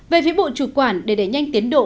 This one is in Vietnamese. về phía bộ chủ quản để đẩy nhanh tiến độ